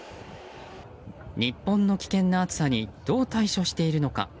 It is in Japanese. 日本の危険な暑さにどう対処しているのか。